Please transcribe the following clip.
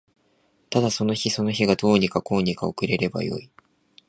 ただその日その日がどうにかこうにか送られればよい